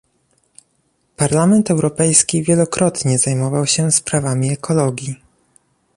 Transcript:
Parlament Europejski wielokrotnie zajmował się sprawami ekologii